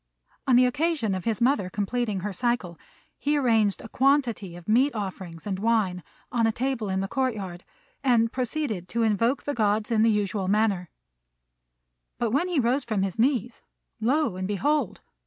On the occasion of his mother completing her cycle, he arranged a quantity of meat offerings and wine on a table in the court yard, and proceeded to invoke the Gods in the usual manner; but when he rose from his knees, lo and behold!